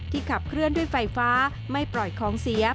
ขับเคลื่อนด้วยไฟฟ้าไม่ปล่อยของเสีย